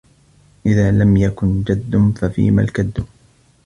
إذَا لَمْ يَكُنْ جَدٌّ فَفِيمَ الْكَدُّ